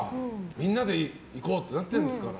みんなで行こうってなってるんですから。